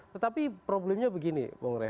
tetapi problemnya begini